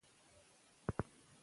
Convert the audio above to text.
د خلکو مال او ناموس باید خوندي وي.